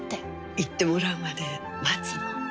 「言ってもらうまで待つの」